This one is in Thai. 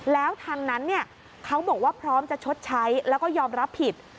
แล้วทางนั้นเขาบอกว่าพร้อมจะชดใช้แล้วก็ยอมรับผิด